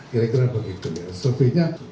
kira kira begitu ya surveinya